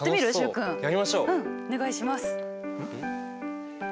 うんお願いします。